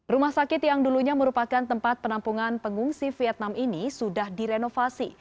rumah sakit yang dulunya merupakan tempat penampungan pengungsi vietnam ini sudah direnovasi